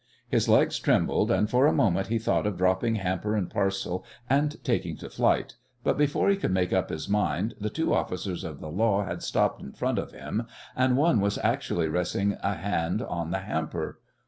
His legs trembled, and for a moment he thought of dropping hamper and parcel and taking to flight, but before he could make up his mind the two officers of the law had stopped in front of him, and one was actually resting a hand on the hamper.